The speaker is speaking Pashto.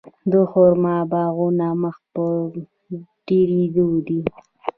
د خرما باغونه مخ په ډیریدو دي.